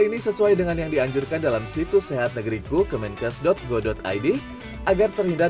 ini sesuai dengan yang dianjurkan dalam situs sehat negeriku kemenkes go id agar terhindar